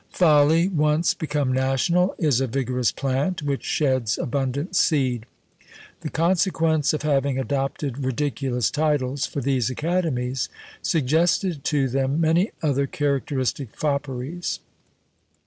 Folly, once become national, is a vigorous plant, which sheds abundant seed. The consequence of having adopted ridiculous titles for these academies suggested to them many other characteristic fopperies.